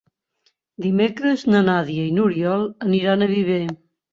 Dimecres na Nàdia i n'Oriol aniran a Viver.